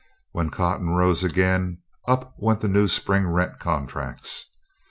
When cotton rose again, up went the new Spring rent contracts.